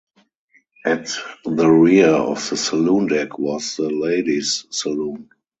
At the rear of the saloon deck was the ladies’ saloon.